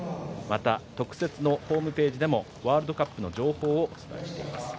また特設のホームページでもワールドカップの情報をお伝えしています。